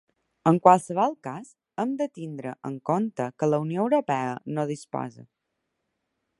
En qualsevol cas, hem de tindre en compte que la Unió Europea no disposa.